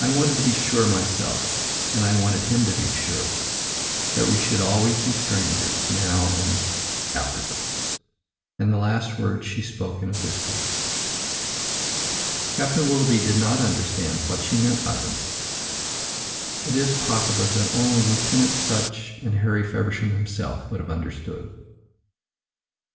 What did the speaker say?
I wanted to be sure myself, and I wanted him to be sure, that we should always be strangers now and and afterwards," and the last words she spoke in a whisper. Captain Willoughby did not understand what she meant by them. It is possible that only Lieutenant Sutch and Harry Feversham himself would have understood.